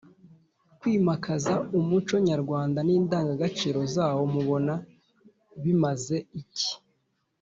kwimakaza umuco nyarwanda n’indangagaciro zawo mubona bimaze iki?